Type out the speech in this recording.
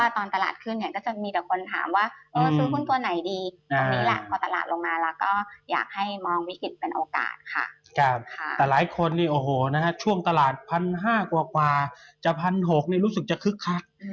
แต่หลายคนช่วงตลาด๑๕๐๐กว่าจาก๑๖๐๐รู้สึกจะคึกคัก